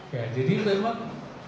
ya jadi memang